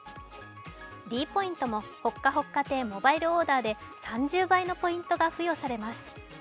ｄポイントもほっかほっか亭モバイルオーダーで３０倍のポイントが付与されます。